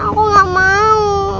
aku gak mau